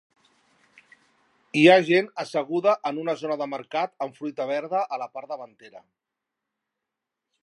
Hi ha gent asseguda en una zona de mercat amb fruita verda a la part davantera.